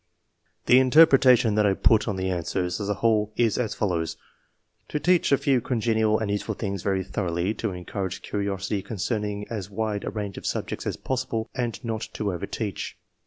The interpretation that I put on the answers 256 ENGLISH MEN OF SCIENCE. [chap. as a whole is as follows : To teach a few congenial and useful things very thoroughly, to encourage curiosity concerning as wide a range of subjects as possible, and not to over teach.